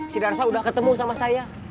si darsa udah ketemu sama saya